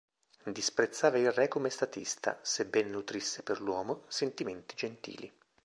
Disprezzava il re come statista, sebbene nutrisse per l'uomo sentimenti gentili.